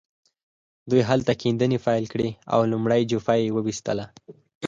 دوی هلته کيندنې پيل کړې او لومړۍ جوپه يې وويسته.